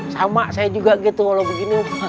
sama saya juga gitu walau begini